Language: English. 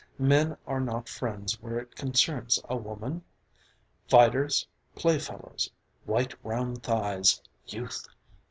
Men are not friends where it concerns a woman? Fighters. Playfellows. White round thighs! Youth!